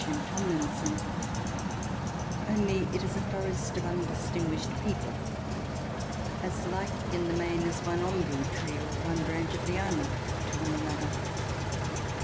M. Tomlinson, Only it is a forest of undistinguished people, as like in the main as one ombu tree or one branch of liana to another.